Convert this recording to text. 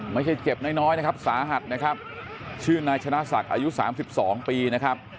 ไม่ใช่เจ็บน้อยนะครับสาหัสนะครับชื่อนายชนะศักดิ์อายุ๓๒ปีนะครับ